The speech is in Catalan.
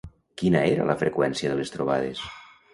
Quina era la freqüència de les trobades?